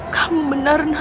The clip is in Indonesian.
kamu benar nak